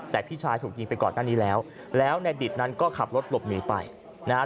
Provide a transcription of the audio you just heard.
แต่พี่ชายถูกยิงไปก่อนหน้านี้แล้วแล้วในดิตนั้นก็ขับรถหลบหนีไปนะฮะ